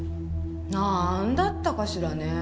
なんだったかしらねえ。